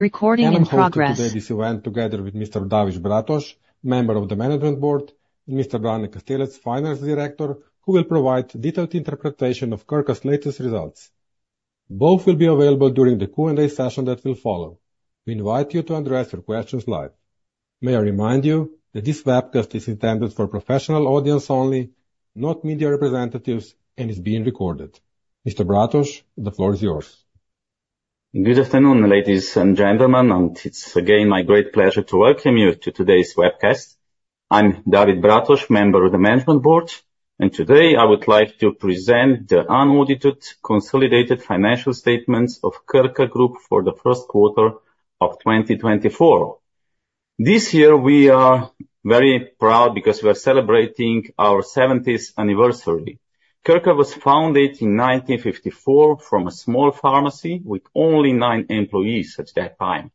Recording in progress. I am hosting today's event together with Mr. David Bratož, member of the management board, and Mr. Brane Kastelec, Finance Director, who will provide detailed interpretation of Krka's latest results. Both will be available during the Q&A session that will follow. We invite you to address your questions live. May I remind you that this webcast is intended for professional audience only, not media representatives, and is being recorded. Mr. Bratož, the floor is yours. Good afternoon, ladies and gentlemen, and it's again my great pleasure to welcome you to today's webcast. I'm David Bratož, member of the management board, and today I would like to present the unaudited consolidated financial statements of Krka Group for the first quarter of 2024. This year, we are very proud because we are celebrating our 70th anniversary. Krka was founded in 1954 from a small pharmacy with only nine employees at that time.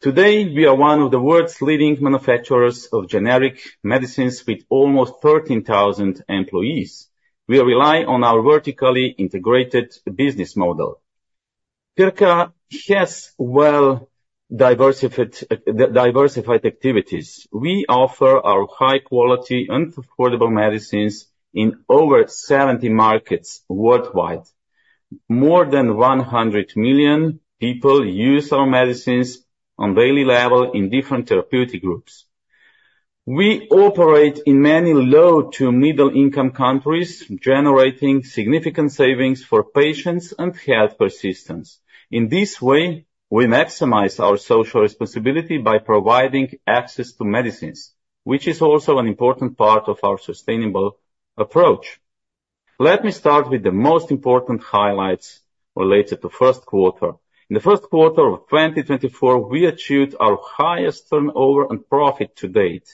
Today, we are one of the world's leading manufacturers of generic medicines, with almost 13,000 employees. We rely on our vertically integrated business model. Krka has well diversified activities. We offer our high quality and affordable medicines in over 70 markets worldwide. More than 100 million people use our medicines on daily level in different therapeutic groups. groups. We operate in many low- to middle-income countries, generating significant savings for patients and health systems. In this way, we maximize our social responsibility by providing access to medicines, which is also an important part of our sustainable approach. Let me start with the most important highlights related to the first quarter. In the first quarter of 2024, we achieved our highest turnover and profit to date.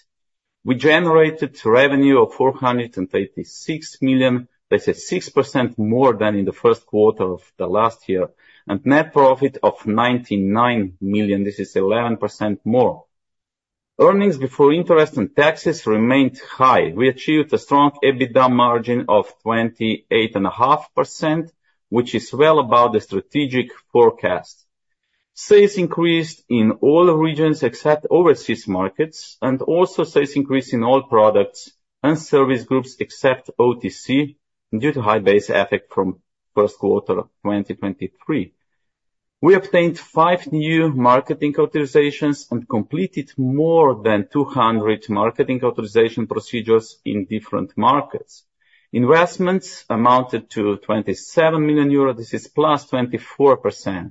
We generated revenue of 436 million, that's 6% more than in the first quarter of the last year, and net profit of 99 million, this is 11% more. Earnings before interest and taxes remained high. We achieved a strong EBITDA margin of 28.5%, which is well above the strategic forecast. Sales increased in all regions except overseas markets, and also sales increased in all products and service groups except OTC, due to high base effect from first quarter of 2023. We obtained 5 new marketing authorizations and completed more than 200 marketing authorization procedures in different markets. Investments amounted to 27 million euros. This is +24%.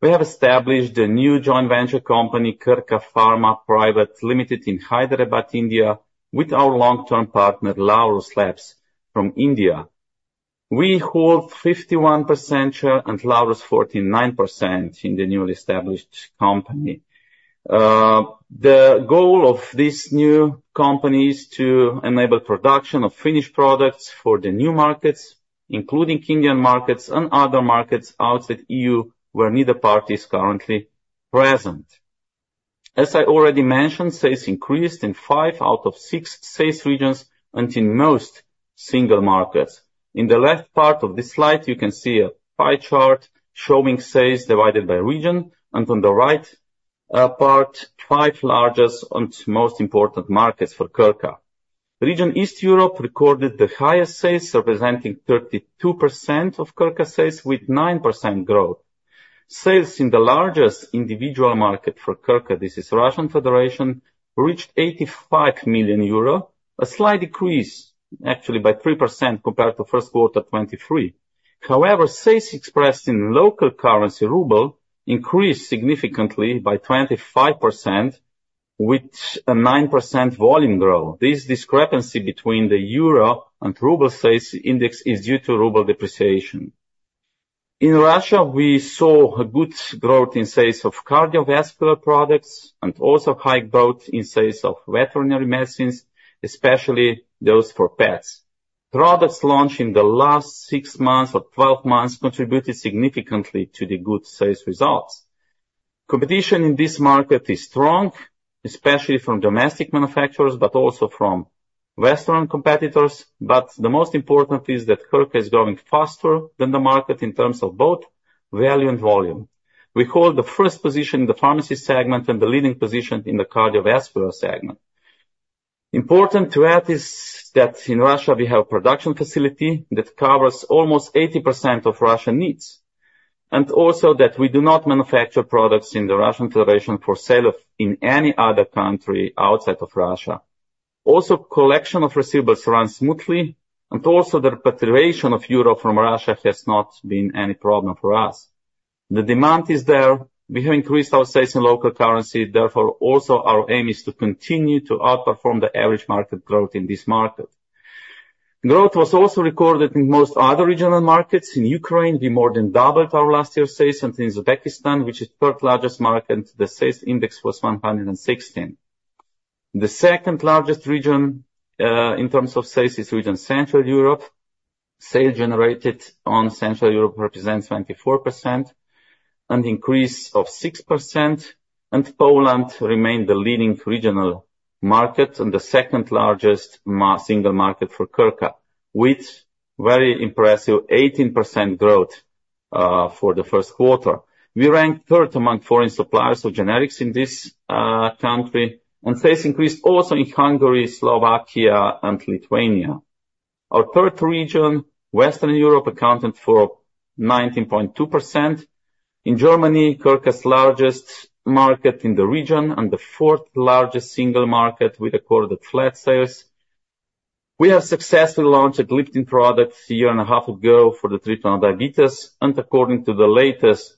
We have established a new joint venture company, Krka Pharma Private Limited, in Hyderabad, India, with our long-term partner, Laurus Labs from India. We hold 51% share and Laurus, 49% in the newly established company. The goal of this new company is to enable production of finished products for the new markets, including Indian markets and other markets outside EU, where neither party is currently present. As I already mentioned, sales increased in five out of six sales regions and in most single markets. In the left part of this slide, you can see a pie chart showing sales divided by region, and on the right part, five largest and most important markets for Krka. Region East Europe recorded the highest sales, representing 32% of Krka sales, with 9% growth. Sales in the largest individual market for Krka, this is Russian Federation, reached 85 million euro, a slight decrease, actually by 3% compared to first quarter 2023. However, sales expressed in local currency, ruble, increased significantly by 25%, with a 9% volume growth. This discrepancy between the euro and ruble sales index is due to ruble depreciation. In Russia, we saw a good growth in sales of cardiovascular products and also high growth in sales of veterinary medicines, especially those for pets. Products launched in the last 6 months or 12 months contributed significantly to the good sales results. Competition in this market is strong, especially from domestic manufacturers, but also from western competitors. But the most important is that Krka is growing faster than the market in terms of both value and volume. We hold the first position in the pharmacy segment and the leading position in the cardiovascular segment. Important to add is that in Russia, we have production facility that covers almost 80% of Russian needs, and also that we do not manufacture products in the Russian Federation for sale of in any other country outside of Russia. Also, collection of receivables runs smoothly, and also the repatriation of euro from Russia has not been any problem for us. The demand is there. We have increased our sales in local currency. Therefore, also, our aim is to continue to outperform the average market growth in this market. Growth was also recorded in most other regional markets. In Ukraine, we more than doubled our last year's sales, and in Uzbekistan, which is third largest market, the sales index was 116. The second largest region in terms of sales is Central Europe. Sales generated on Central Europe represents 24%, an increase of 6%. Poland remained the leading regional market and the second largest single market for Krka, with very impressive 18% growth for the first quarter. We ranked third among foreign suppliers of generics in this country, and sales increased also in Hungary, Slovakia, and Lithuania. Our third region, Western Europe, accounted for 19.2%. In Germany, Krka's largest market in the region and the fourth largest single market, we recorded flat sales. We have successfully launched a gliptin product a year and a half ago for the treatment of diabetes, and according to the latest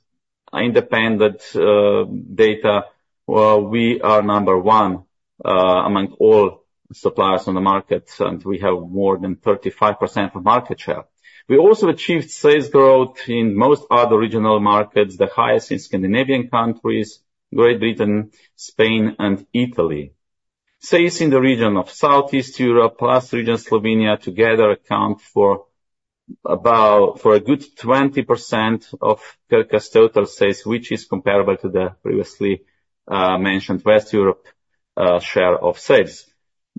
independent data, we are number one among all suppliers on the market, and we have more than 35% of market share. We also achieved sales growth in most other regional markets, the highest in Scandinavian countries, Great Britain, Spain, and Italy. Sales in the region of Southeast Europe, plus region Slovenia, together account for about, for a good 20% of Krka's total sales, which is comparable to the previously mentioned Western Europe share of sales.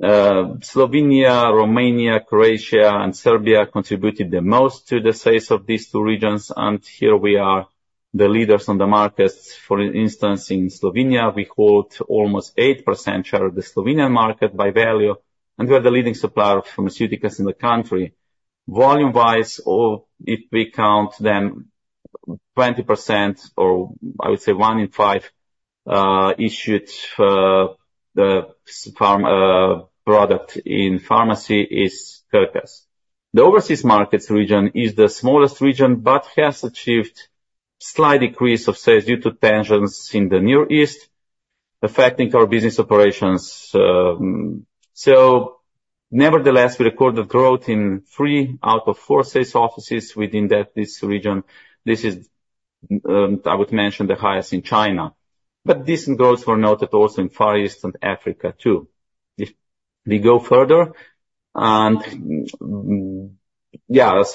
Slovenia, Romania, Croatia, and Serbia contributed the most to the sales of these two regions, and here we are the leaders on the markets. For instance, in Slovenia, we hold almost 8% share of the Slovenian market by value, and we are the leading supplier of pharmaceuticals in the country. Volume-wise, or if we count them, 20%, or I would say one in five, issued pharmaceutical product in pharmacy is Krka's. The overseas markets region is the smallest region, but has achieved slight decrease of sales due to tensions in the Near East, affecting our business operations. So nevertheless, we recorded growth in three out of four sales offices within that, this region. This is, I would mention, the highest in China. But decent growths were noted also in Far East and Africa, too. If we go further, as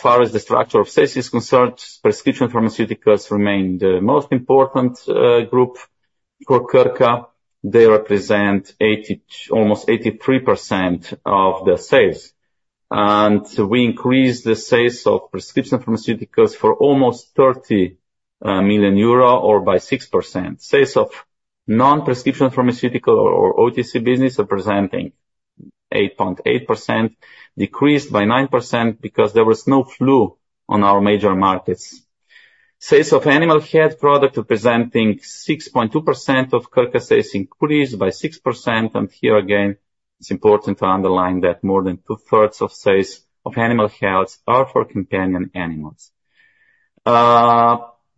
far as the structure of sales is concerned, prescription pharmaceuticals remain the most important group for Krka. They represent almost 83% of the sales. We increased the sales of prescription pharmaceuticals for almost 30 million euro or by 6%. Sales of non-prescription pharmaceutical or OTC business, representing 8.8%, decreased by 9% because there was no flu on our major markets. Sales of animal health product, representing 6.2% of Krka sales, increased by 6%, and here again, it's important to underline that more than two-thirds of sales of animal health are for companion animals.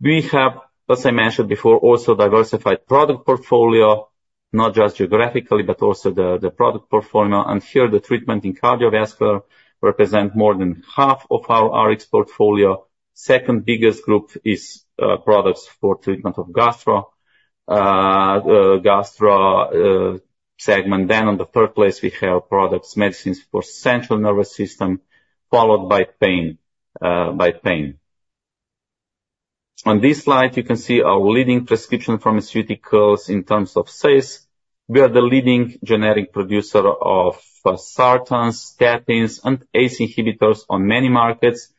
We have, as I mentioned before, also diversified product portfolio, not just geographically, but also the product portfolio. And here, the treatment in cardiovascular represent more than half of our portfolio. Second biggest group is products for treatment of gastro segment. Then on the third place, we have products, medicines for central nervous system, followed by pain, by pain. On this slide, you can see our leading prescription pharmaceuticals in terms of sales. We are the leading generic producer of sartans, statins, and ACE inhibitors on many markets.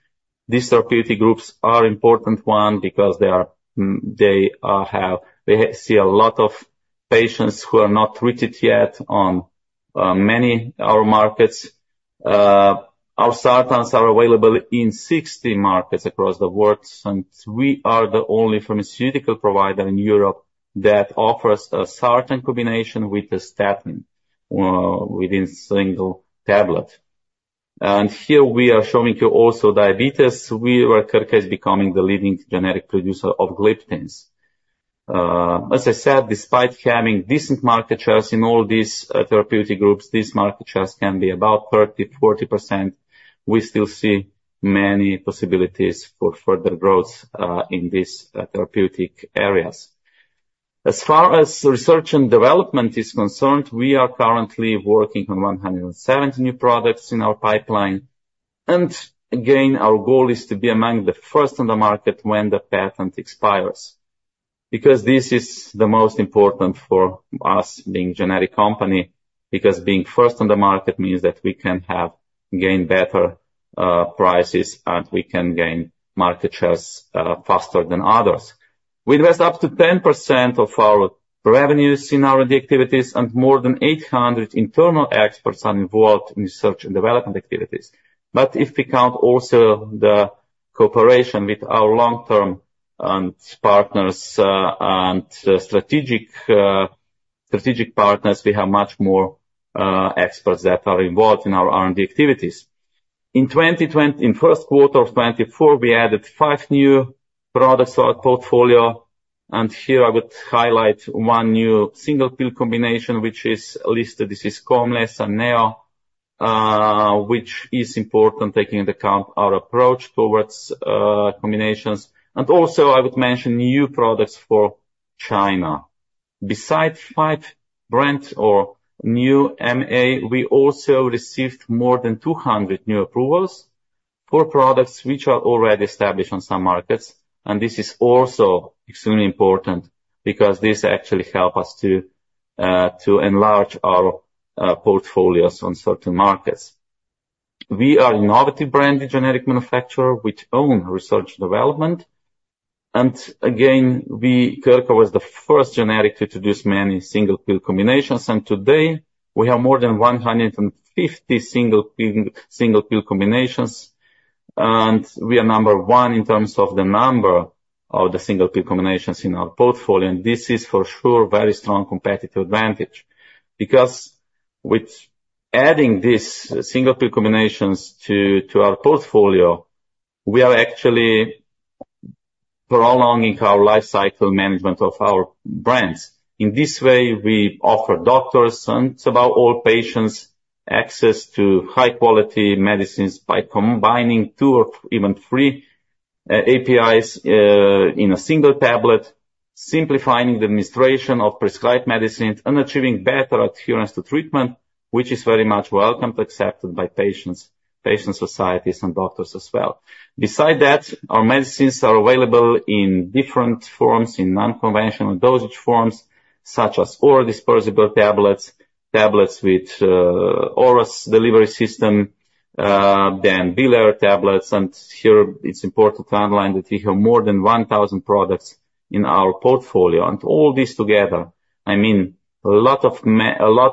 These therapeutic groups are important one, because they are, they have, they see a lot of patients who are not treated yet on many our markets. Our sartans are available in 60 markets across the world, and we are the only pharmaceutical provider in Europe that offers a sartan combination with a statin within single tablet. And here, we are showing you also diabetes. Krka is becoming the leading generic producer of gliptins. As I said, despite having decent market shares in all these therapeutic groups, these market shares can be about 30%-40%. We still see many possibilities for further growth in these therapeutic areas. As far as research and development is concerned, we are currently working on 170 new products in our pipeline. And again, our goal is to be among the first on the market when the patent expires, because this is the most important for us being generic company, because being first on the market means that we can have gain better prices, and we can gain market shares faster than others. We invest up to 10% of our revenues in R&D activities, and more than 800 internal experts are involved in research and development activities. But if we count also the cooperation with our long-term partners, and strategic partners, we have much more experts that are involved in our R&D activities. In first quarter of 2024, we added five new products to our portfolio, and here I would highlight one new single pill combination, which is listed. This is Co-Amless Neo, which is important, taking into account our approach towards combinations. And also, I would mention new products for China. Besides 5 brands or new MA, we also received more than 200 new approvals for products which are already established on some markets, and this is also extremely important, because this actually help us to to enlarge our portfolios on certain markets. We are innovative branded generic manufacturer, which own research and development. And again, we, Krka, was the first generic to introduce many single pill combinations, and today we have more than 150 single pill combinations. And we are number one in terms of the number of the single pill combinations in our portfolio, and this is for sure, very strong competitive advantage. Because with adding these single pill combinations to our portfolio, we are actually prolonging our life cycle management of our brands. In this way, we offer doctors and it's about all patients, access to high quality medicines by combining two or even three, APIs, in a single tablet, simplifying the administration of prescribed medicines and achieving better adherence to treatment, which is very much welcomed and accepted by patients, patient societies, and doctors as well. Besides that, our medicines are available in different forms, in unconventional dosage forms, such as orodispersible tablets, tablets with oral delivery system, then bilayer tablets. Here it's important to underline that we have more than 1,000 products in our portfolio. All these together, I mean, a lot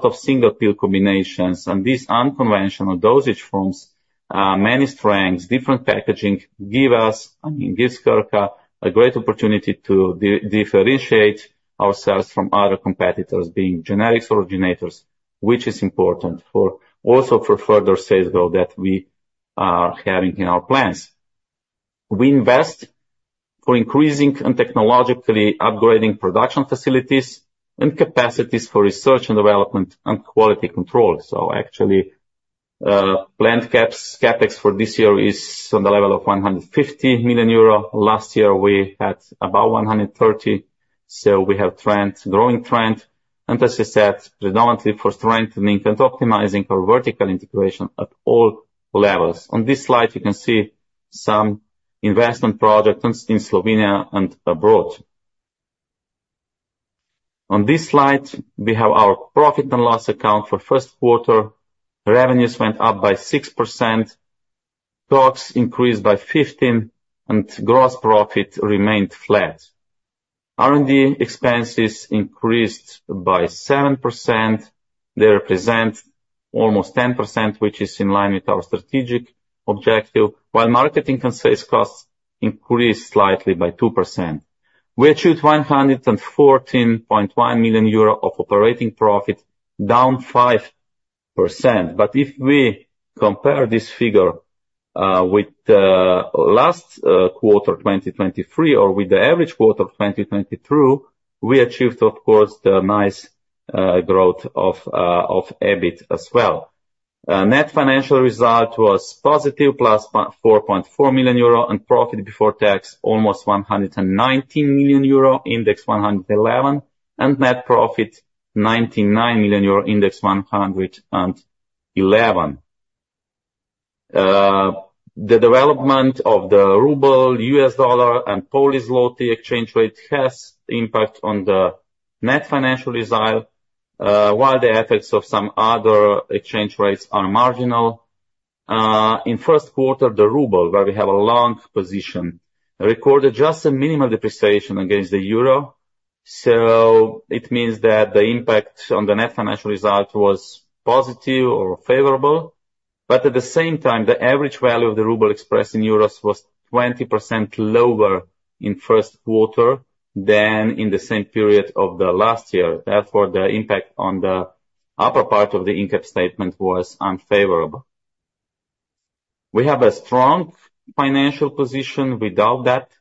of single pill combinations and these unconventional dosage forms, many strengths, different packaging, give us, I mean, give Krka a great opportunity to differentiate ourselves from other competitors, being generics or originators, which is important for also for further sales growth that we are having in our plans. We invest for increasing and technologically upgrading production facilities and capacities for research and development and quality control. So actually, plant CapEx for this year is on the level of 150 million euro. Last year, we had about 130, so we have trend, growing trend, and as I said, predominantly for strengthening and optimizing our vertical integration at all levels. On this slide, you can see some investment projects in Slovenia and abroad. On this slide, we have our profit and loss account for first quarter. Revenues went up by 6%, costs increased by 15%, and gross profit remained flat. R&D expenses increased by 7%. They represent almost 10%, which is in line with our strategic objective, while marketing and sales costs increased slightly by 2%. We achieved 114.1 million euro of operating profit, down 5%. But if we compare this figure with the last quarter 2023, or with the average quarter of 2022, we achieved, of course, the nice growth of EBIT as well. Net financial result was positive, +4.4 million euro, and profit before tax, almost 119 million euro, Index 111, and net profit, 99 million euro, Index 111. The development of the ruble, US dollar and Polish zloty exchange rate has impact on the net financial result, while the effects of some other exchange rates are marginal. In first quarter, the ruble, where we have a long position, recorded just a minimal depreciation against the euro. So it means that the impact on the net financial result was positive or favorable, but at the same time, the average value of the ruble expressed in euros was 20% lower in first quarter than in the same period of the last year. Therefore, the impact on the upper part of the income statement was unfavorable. We have a strong financial position, we doubt that,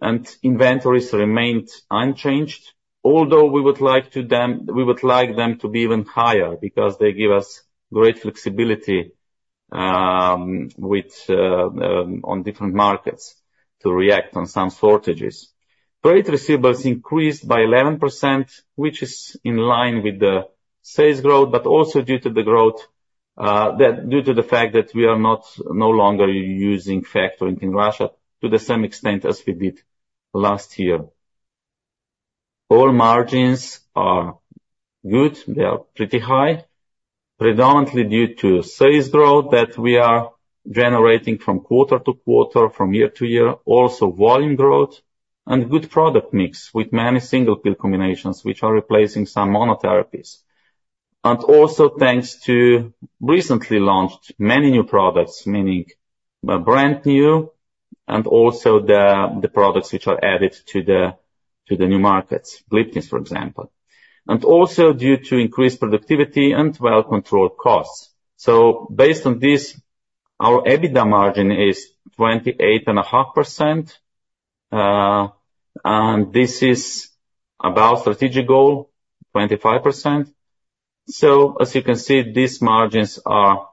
and inventories remained unchanged. Although we would like them to be even higher because they give us great flexibility on different markets to react on some shortages. Trade receivables increased by 11%, which is in line with the sales growth, but also due to the growth due to the fact that we are no longer using factoring in Russia to the same extent as we did last year. All margins are good. They are pretty high, predominantly due to sales growth that we are generating from quarter to quarter, from year to year. Also, volume growth and good product mix with many single pill combinations, which are replacing some monotherapies. And also, thanks to recently launched many new products, meaning, brand new and also the products which are added to the new markets, gliptins, for example. And also due to increased productivity and well-controlled costs. So based on this, our EBITDA margin is 28.5%, and this is above strategic goal, 25%. So as you can see, these margins are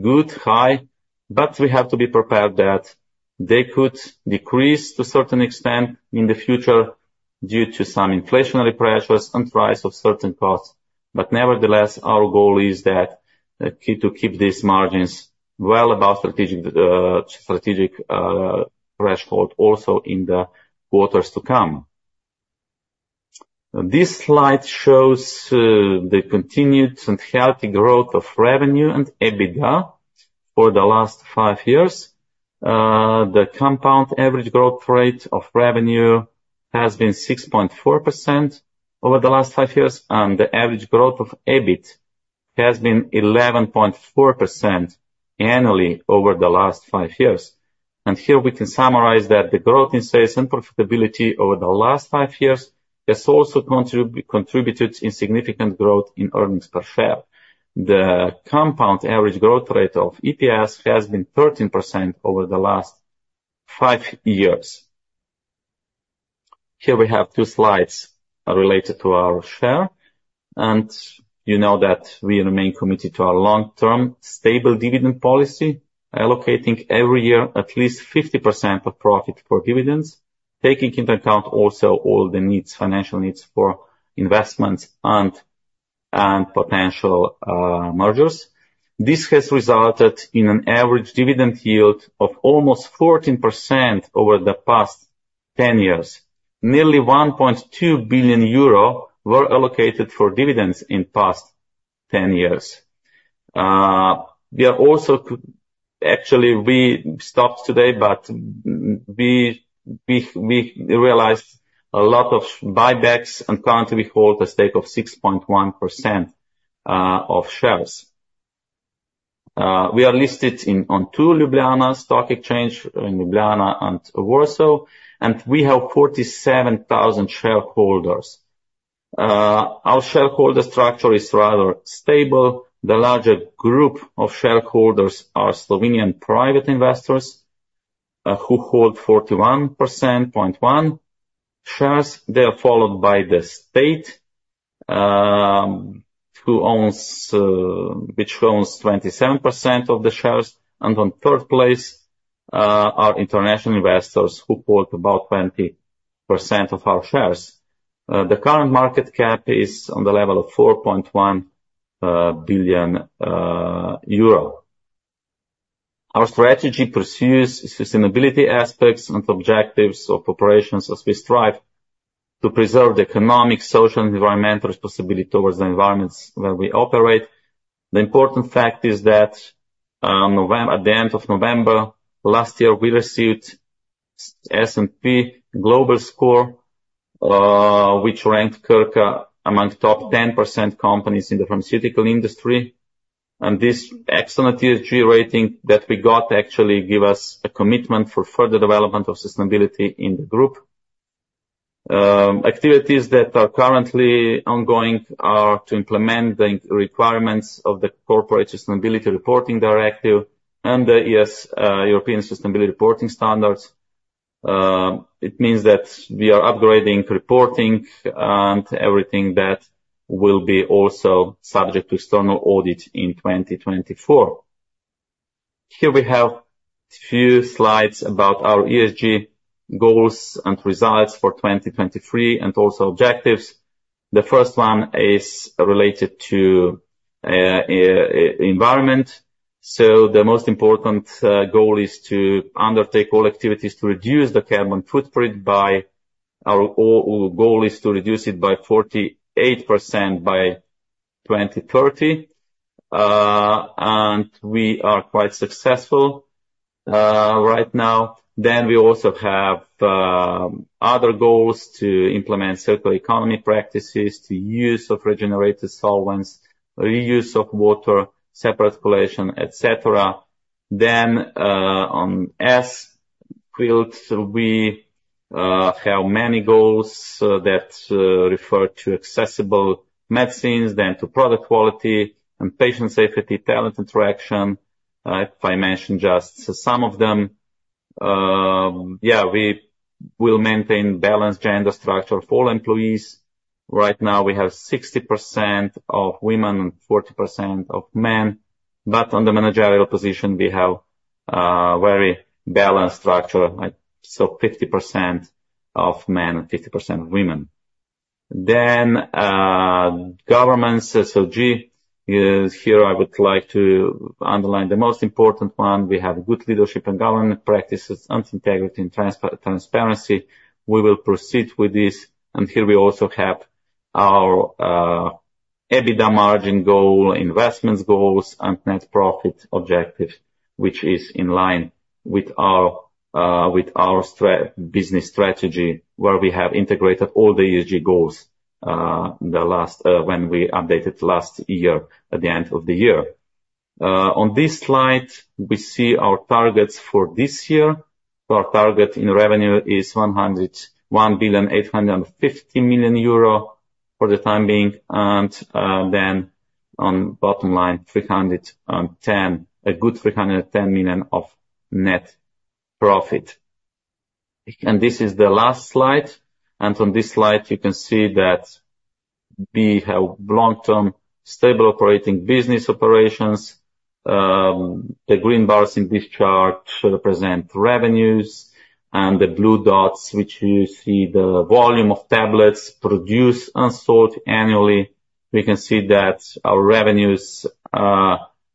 good, high, but we have to be prepared that they could decrease to a certain extent in the future... due to some inflationary pressures and price of certain costs. But nevertheless, our goal is that, to keep these margins well above strategic, strategic, threshold, also in the quarters to come. This slide shows, the continued and healthy growth of revenue and EBITDA for the last five years. The compound average growth rate of revenue has been 6.4% over the last five years, and the average growth of EBIT has been 11.4% annually over the last five years. And here we can summarize that the growth in sales and profitability over the last five years has also contributed in significant growth in earnings per share. The compound average growth rate of EPS has been 13% over the last five years. Here we have two slides, related to our share, and you know that we remain committed to our long-term, stable dividend policy, allocating every year at least 50% of profit for dividends, taking into account also all the needs, financial needs for investments and potential mergers. This has resulted in an average dividend yield of almost 14% over the past 10 years. Nearly 1.2 billion euro were allocated for dividends in past 10 years. Actually, we stopped today, but we realized a lot of buybacks, and currently we hold a stake of 6.1% of shares. We are listed on two: Ljubljana Stock Exchange, in Ljubljana and Warsaw, and we have 47,000 shareholders. Our shareholder structure is rather stable. The larger group of shareholders are Slovenian private investors who hold 41.1% shares. They are followed by the state, who owns which owns 27% of the shares, and on third place are international investors who hold about 20% of our shares. The current market cap is on the level of 4.1 billion euro. Our strategy pursues sustainability aspects and objectives of operations as we strive to preserve the economic, social, and environmental responsibility towards the environments where we operate. The important fact is that at the end of November last year, we received S&P Global Score which ranked Krka among top 10% companies in the pharmaceutical industry. This excellent ESG rating that we got actually give us a commitment for further development of sustainability in the group. Activities that are currently ongoing are to implement the requirements of the Corporate Sustainability Reporting Directive and the ESRS. It means that we are upgrading, reporting and everything that will be also subject to external audit in 2024. Here we have few slides about our ESG goals and results for 2023, and also objectives. The first one is related to environment. So the most important goal is to undertake all activities to reduce the carbon footprint. Our goal is to reduce it by 48% by 2030, and we are quite successful right now. Then we also have other goals to implement circular economy practices, to use of regenerative solvents, reuse of water, separate collection, et cetera. Then, on S field, we have many goals that refer to accessible medicines, then to product quality and patient safety, talent interaction. If I mention just some of them, yeah, we will maintain balanced gender structure for all employees. Right now, we have 60% of women and 40% of men, but on the managerial position, we have very balanced structure, like, so 50% of men and 50% women. Then, governance, so G, is here I would like to underline the most important one. We have good leadership and governance practices and integrity and transparency. We will proceed with this, and here we also have our EBITDA margin goal, investments goals, and net profit objectives, which is in line with our with our stre... business strategy, where we have integrated all the ESG goals, the last, when we updated last year, at the end of the year. On this slide, we see our targets for this year. Our target in revenue is 101.85 billion euro for the time being, and then on bottom line, 310, a good 310 million of net profit. And this is the last slide. And on this slide, you can see that we have long-term, stable operating business operations. The green bars in this chart represent revenues, and the blue dots, which you see the volume of tablets produced and sold annually. We can see that our revenues,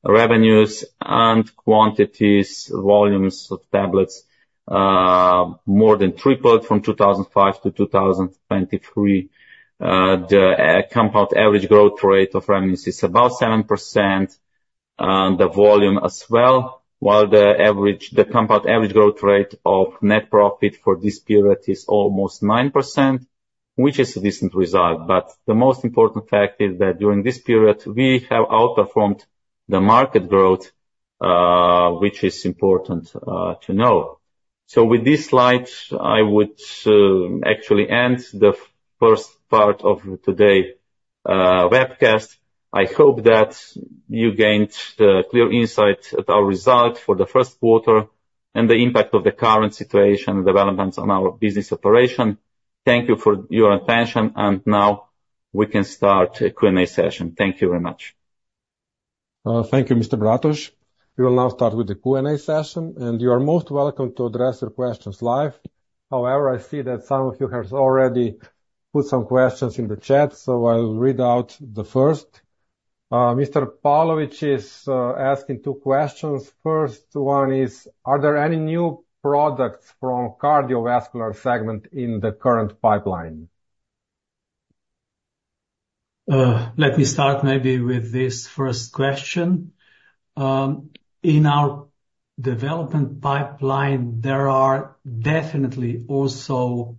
revenues and quantities, volumes of tablets, more than tripled from 2005 to 2023. The compound annual growth rate of revenues is about 7%, and the volume as well, while the compound annual growth rate of net profit for this period is almost 9%, which is a decent result. But the most important fact is that during this period, we have outperformed the market growth, which is important to know. So with this slide, I would actually end the first part of today’s webcast. I hope that you gained a clear insight at our result for the first quarter and the impact of the current situation and developments on our business operation. Thank you for your attention, and now we can start a Q&A session. Thank you very much. Thank you, Mr. Bratož. We will now start with the Q&A session, and you are most welcome to address your questions live. However, I see that some of you have already put some questions in the chat, so I'll read out the first. Mr. Pavlović is asking two questions. First one is: Are there any new products from cardiovascular segment in the current pipeline? Let me start maybe with this first question. In our development pipeline, there are definitely also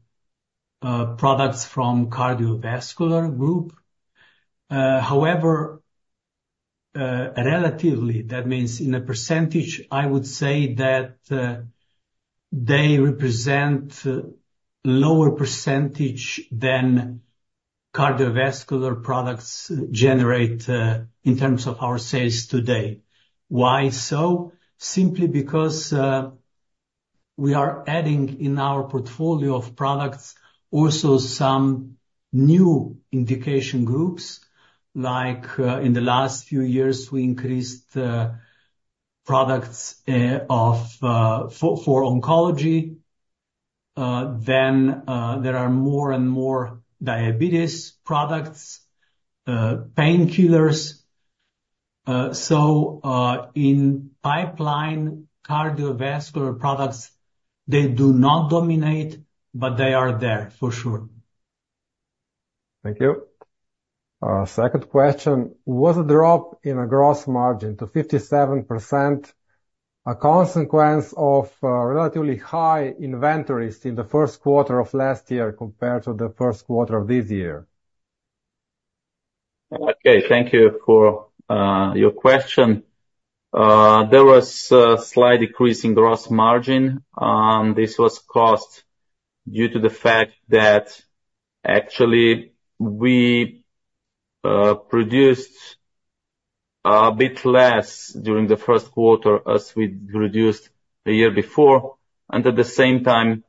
products from cardiovascular group. However, relatively, that means in a percentage, I would say that they represent lower percentage than cardiovascular products generate in terms of our sales today. Why so? Simply because we are adding in our portfolio of products also some new indication groups, like in the last few years, we increased products for oncology. Then there are more and more diabetes products, painkillers. So in pipeline cardiovascular products, they do not dominate, but they are there for sure. Thank you. Second question: Was the drop in the gross margin to 57% a consequence of relatively high inventories in the first quarter of last year compared to the first quarter of this year? Okay, thank you for your question. There was a slight decrease in gross margin, this was caused due to the fact that actually we produced a bit less during the first quarter as we reduced the year before. And at the same time,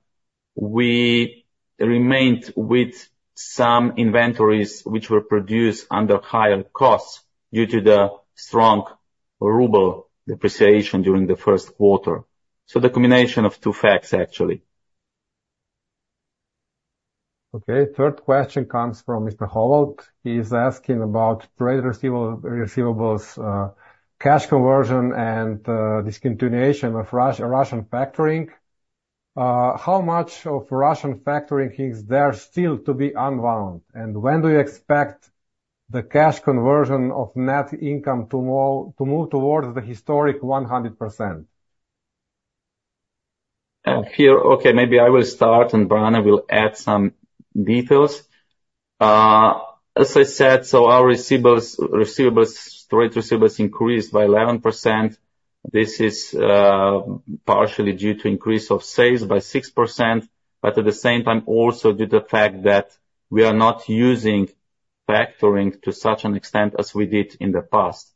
we remained with some inventories which were produced under higher costs due to the strong ruble depreciation during the first quarter. So the combination of two facts, actually. Okay, third question comes from Mr. Holwell. He is asking about trade receivable, receivables, cash conversion, and discontinuation of Russian factoring. How much of Russian factoring is there still to be unwound? And when do you expect the cash conversion of net income to move towards the historic 100%? Here, okay, maybe I will start, and Brane will add some details. As I said, so our receivables, receivables, trade receivables increased by 11%. This is partially due to increase of sales by 6%, but at the same time also due to the fact that we are not using factoring to such an extent as we did in the past.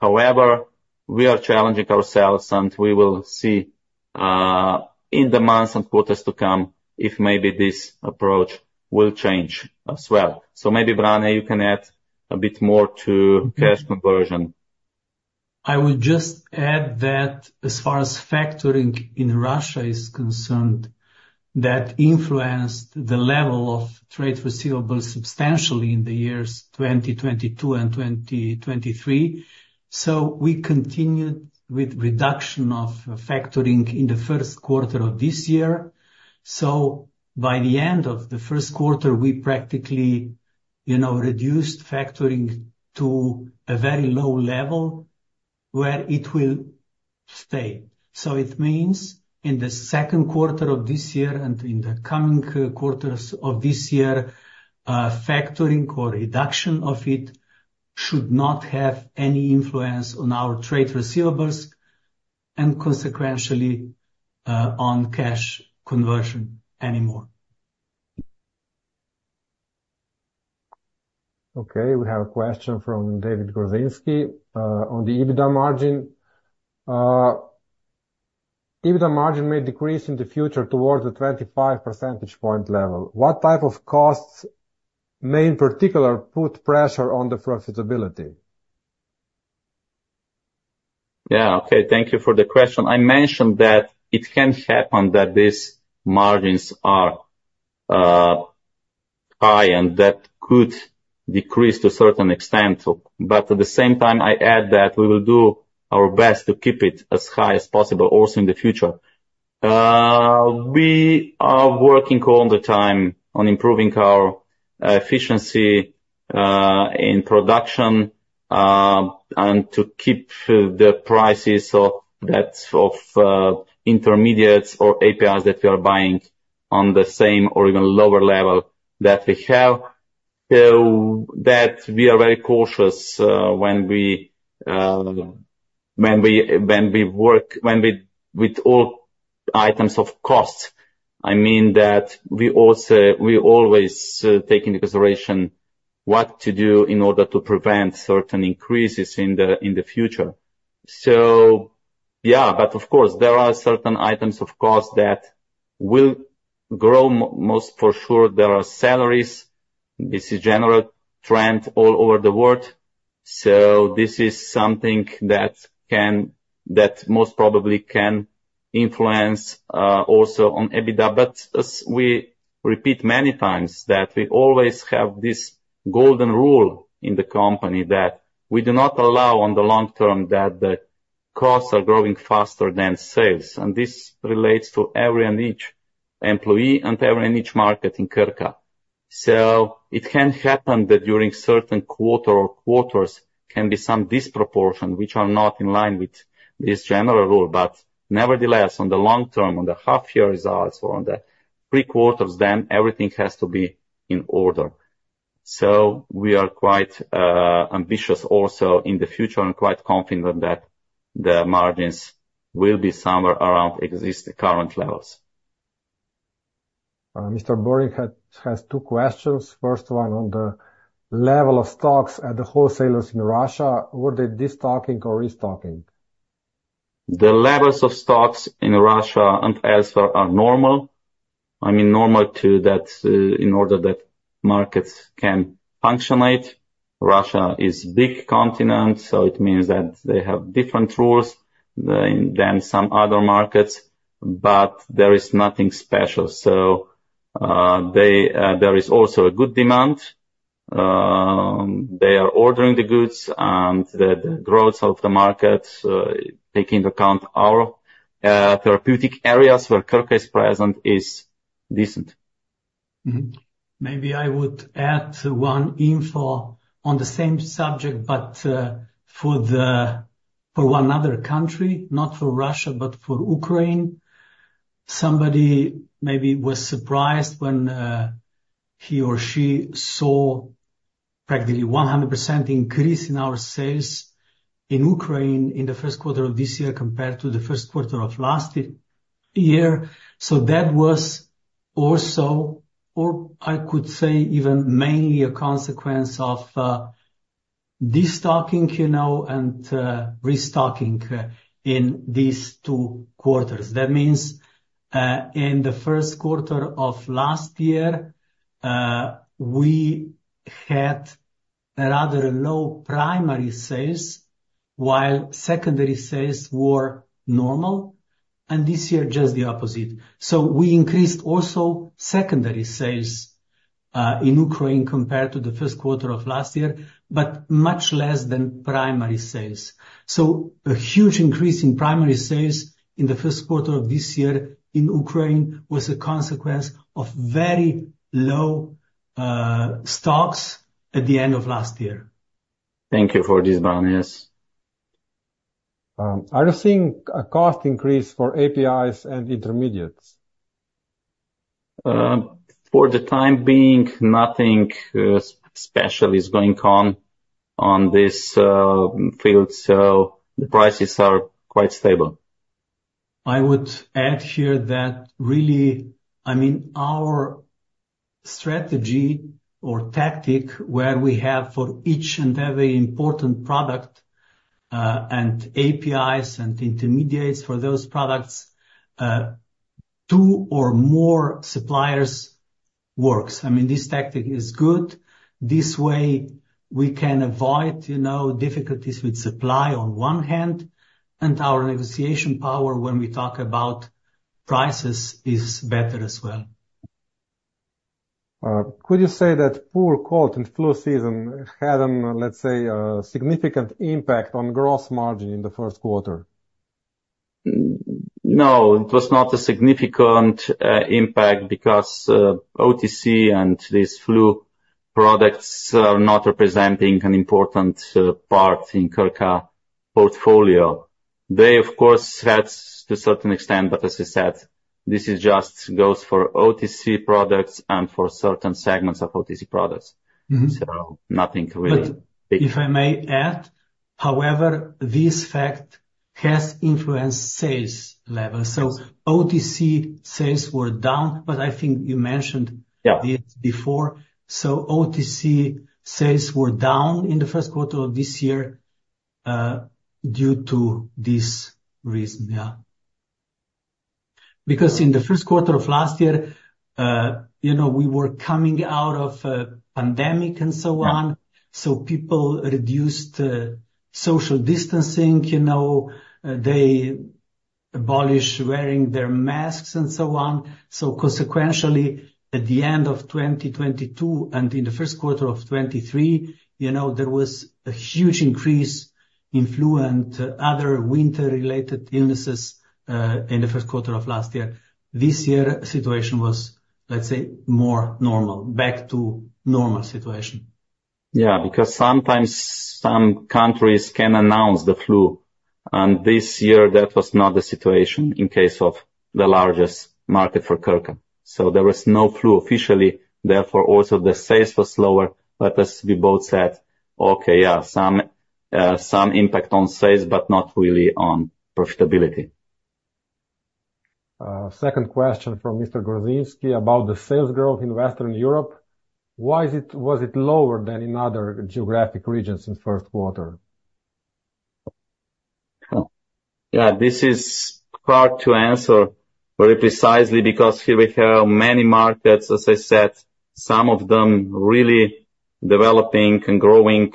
However, we are challenging ourselves, and we will see in the months and quarters to come if maybe this approach will change as well. So maybe, Brane, you can add a bit more to cash conversion. I would just add that as far as factoring in Russia is concerned, that influenced the level of trade receivable substantially in the years 2022 and 2023. So we continued with reduction of factoring in the first quarter of this year. So by the end of the first quarter, we practically, you know, reduced factoring to a very low level where it will stay. So it means in the second quarter of this year and in the coming quarters of this year, factoring or reduction of it should not have any influence on our trade receivables and consequentially, on cash conversion anymore. Okay, we have a question from Dawid Gorzynski. On the EBITDA margin, EBITDA margin may decrease in the future towards the 25 percentage point level. What type of costs may, in particular, put pressure on the profitability? Yeah. Okay, thank you for the question. I mentioned that it can happen that these margins are high, and that could decrease to a certain extent. But at the same time, I add that we will do our best to keep it as high as possible also in the future. We are working all the time on improving our efficiency in production, and to keep the prices of that, of intermediates or APIs that we are buying on the same or even lower level that we have. So that we are very cautious when we work with all items of cost. I mean, that we also we always take into consideration what to do in order to prevent certain increases in the future. future. So yeah, but of course, there are certain items, of course, that will grow most for sure. There are salaries. This is general trend all over the world. So this is something that can, that most probably can influence also on EBITDA. But as we repeat many times, that we always have this golden rule in the company that we do not allow on the long term, that the costs are growing faster than sales, and this relates to every and each employee and every and each market in Krka. So it can happen that during certain quarter or quarters, can be some disproportion, which are not in line with this general rule, but nevertheless, on the long term, on the half year results or on the three quarters, then everything has to be in order. So we are quite ambitious also in the future, and quite confident that the margins will be somewhere around existing current levels. Mr. Buring has two questions. First one, on the level of stocks at the wholesalers in Russia, were they destocking or restocking? The levels of stocks in Russia and elsewhere are normal. I mean, normal to that, in order that markets can function. Russia is big continent, so it means that they have different rules than some other markets, but there is nothing special. So, there is also a good demand. They are ordering the goods and the growth of the markets, taking into account our therapeutic areas where Krka is present, is decent. Mm-hmm. Maybe I would add one info on the same subject, but, for the, for one other country, not for Russia, but for Ukraine. Somebody maybe was surprised when, he or she saw practically 100% increase in our sales in Ukraine in the first quarter of this year, compared to the first quarter of last year. So that was also, or I could say, even mainly a consequence of, destocking, you know, and, restocking, in these two quarters. That means, in the first quarter of last year, we had a rather low primary sales, while secondary sales were normal, and this year, just the opposite. So we increased also secondary sales, in Ukraine compared to the first quarter of last year, but much less than primary sales. sales. A huge increase in primary sales in the first quarter of this year in Ukraine was a consequence of very low stocks at the end of last year. Thank you for this, Brane. Are you seeing a cost increase for APIs and intermediates? For the time being, nothing special is going on on this field, so the prices are quite stable. I would add here that really, I mean, our strategy or tactic, where we have for each and every important product, and APIs and intermediates for those products, two or more suppliers works. I mean, this tactic is good. This way, we can avoid, you know, difficulties with supply on one hand, and our negotiation power when we talk about prices, is better as well. Could you say that poor cold and flu season had, let's say, a significant impact on gross margin in the first quarter? No, it was not a significant impact because OTC and these flu products are not representing an important part in Krka portfolio. They, of course, had to a certain extent, but as I said, this is just goes for OTC products and for certain segments of OTC products. Mm-hmm. Nothing really- If I may add, however, this fact has influenced sales levels, so OTC sales were down, but I think you mentioned- Yeah... this before. So OTC sales were down in the first quarter of this year due to this reason. Because in the first quarter of last year, you know, we were coming out of a pandemic and so on. So people reduced social distancing, you know, they abolished wearing their masks and so on. So consequentially, at the end of 2022, and in the first quarter of 2023, you know, there was a huge increase in flu and other winter-related illnesses in the first quarter of last year. This year, situation was, let's say, more normal, back to normal situation. Yeah, because sometimes some countries can announce the flu, and this year, that was not the situation in case of the largest market for Krka. So there was no flu officially, therefore, also, the sales was lower. But as we both said, okay, yeah, some, some impact on sales, but not really on profitability. Second question from Mr. Gorzinski about the sales growth in Western Europe. Why is it-- was it lower than in other geographic regions in first quarter? Yeah, this is hard to answer very precisely, because here we have many markets, as I said, some of them really developing and growing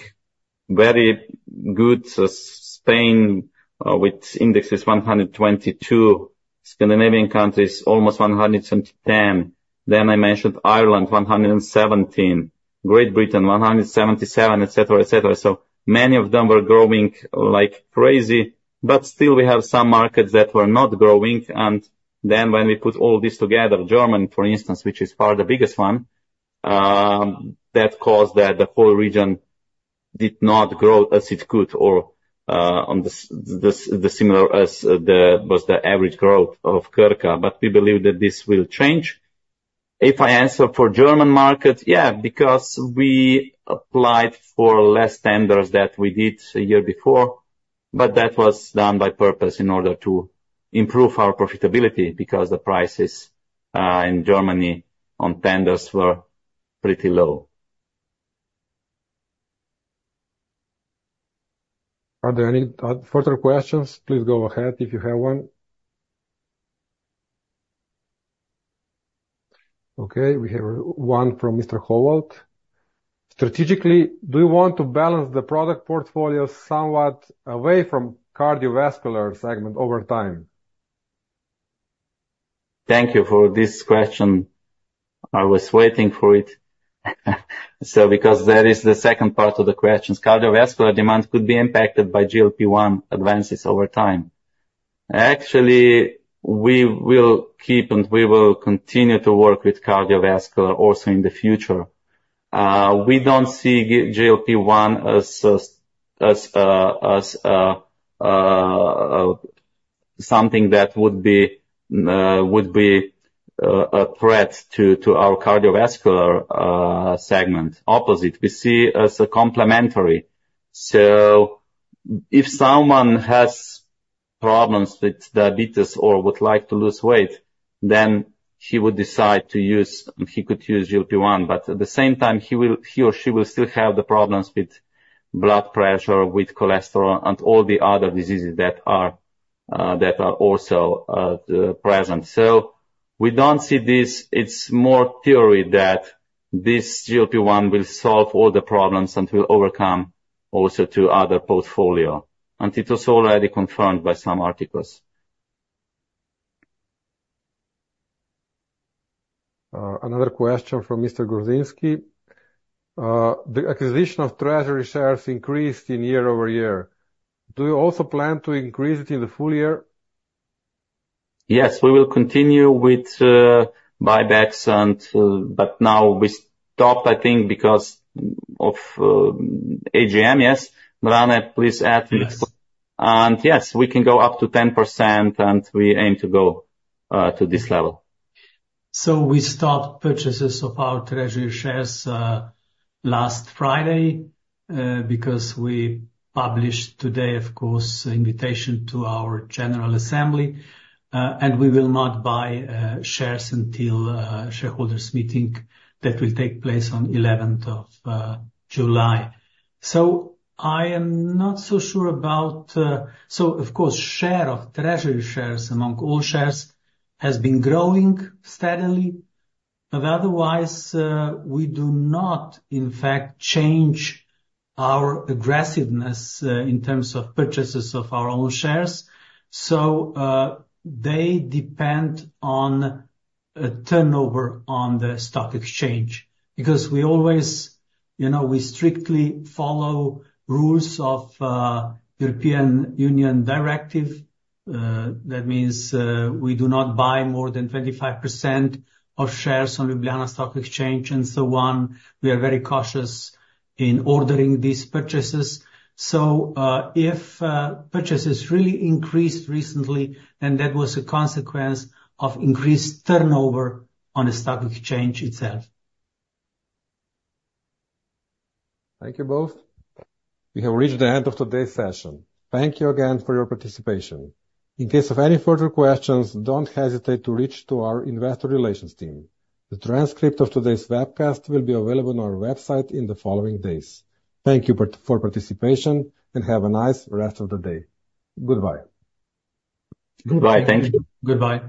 very good. So Spain with index is 122, Scandinavian countries, almost 110. Then I mentioned Ireland, 117, Great Britain, 177, et cetera, et cetera. So many of them were growing like crazy, but still we have some markets that were not growing. And then when we put all this together, Germany, for instance, which is part of the biggest one, that caused that the whole region did not grow as it could, or on the similar as the average growth of Krka. But we believe that this will change. change. If I answer for German market, yeah, because we applied for less tenders than we did a year before, but that was done by purpose in order to improve our profitability, because the prices in Germany on tenders were pretty low. Are there any, further questions? Please go ahead if you have one. Okay, we have one from Mr. Holwell. Strategically, do you want to balance the product portfolio somewhat away from cardiovascular segment over time? Thank you for this question. I was waiting for it. So because there is the second part of the question, cardiovascular demand could be impacted by GLP-1 advances over time. Actually, we will keep, and we will continue to work with cardiovascular also in the future. We don't see GLP-1 as a something that would be a threat to our cardiovascular segment. Opposite, we see as a complementary. So if someone has problems with diabetes or would like to lose weight, then he would decide to use, and he could use GLP-1, but at the same time, he will, he or she will still have the problems with blood pressure, with cholesterol, and all the other diseases that are also present. So we don't see this. this. It's more theory that this GLP-1 will solve all the problems and will overcome also to other portfolio. And it was already confirmed by some articles. Another question from Mr. Gorzinski. The acquisition of treasury shares increased year-over-year. Do you also plan to increase it in the full year? Yes, we will continue with buybacks and... But now we stopped, I think, because of AGM, yes? Brane, please add. Yes. And yes, we can go up to 10%, and we aim to go to this level. So we start purchases of our treasury shares last Friday, because we published today, of course, invitation to our general assembly, and we will not buy shares until shareholders meeting that will take place on eleventh of July. So I am not so sure about... So of course, share of treasury shares among all shares has been growing steadily, but otherwise, we do not, in fact, change our aggressiveness in terms of purchases of our own shares. So they depend on a turnover on the stock exchange. Because we always, you know, we strictly follow rules of European Union directive, that means, we do not buy more than 25% of shares on Ljubljana Stock Exchange and so on. We are very cautious in ordering these purchases. If purchases really increased recently, then that was a consequence of increased turnover on the stock exchange itself. Thank you both. We have reached the end of today's session. Thank you again for your participation. In case of any further questions, don't hesitate to reach to our investor relations team. The transcript of today's webcast will be available on our website in the following days. Thank you for participation, and have a nice rest of the day. Goodbye. Goodbye. Thank you. Goodbye.